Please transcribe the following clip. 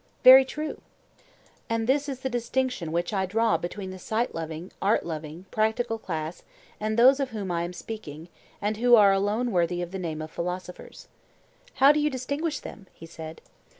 Very true. And this is the distinction which I draw between the sight loving, art loving, practical class and those of whom I am speaking, and who are alone worthy of the name of philosophers. How do you distinguish them? he said.